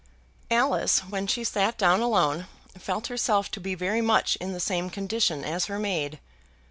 Alice, when she sat down alone, felt herself to be very much in the same condition as her maid.